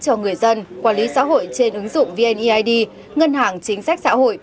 cho người dân quản lý xã hội trên ứng dụng vneid ngân hàng chính sách xã hội